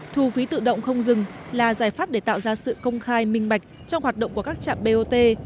thu phí tự động không dừng là giải pháp để tạo ra sự công khai minh bạch trong hoạt động của các trạm bot